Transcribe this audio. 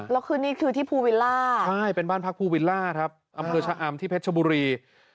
แล้วคือนี่คือที่ภูวิลล่าใช่เป็นบ้านพักภูวิลล่าครับอำเภอชะอำที่เพชรชบุรี